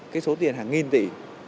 cái số tiền hàng nghìn tỷ